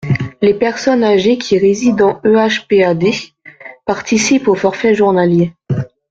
Les personnes âgées qui résident en EHPAD participent au forfait journalier.